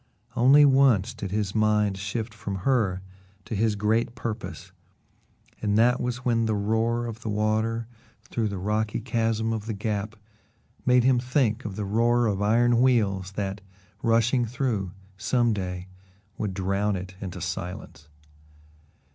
Only once did his mind shift from her to his great purpose, and that was when the roar of the water through the rocky chasm of the Gap made him think of the roar of iron wheels, that, rushing through, some day, would drown it into silence.